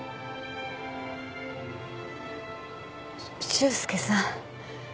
修介さん。